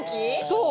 そう。